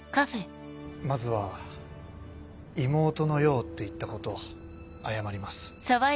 まずは「妹のよう」って言ったこと謝ります。